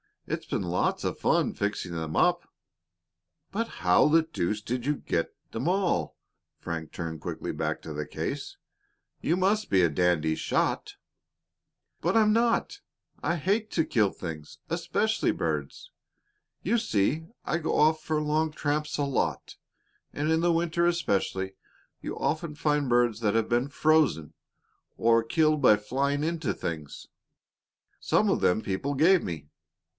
It's been lots of fun fixing them up." "But how the deuce did you get 'em all?" Frank turned quickly back to the case again. "You must be a dandy shot." "But I'm not! I hate to kill things especially birds. You see, I go off for long tramps a lot, and in the winter especially you often find birds that have been frozen, or killed by flying into things. Some of them people gave me.